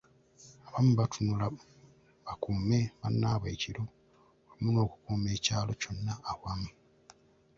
Abamu batunula bakuume bannaabwe ekiro wamu n’okukuuma ekyalo kyonna awamu.